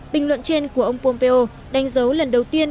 bình luận trên của ông pompeo đánh dấu lần đầu tiên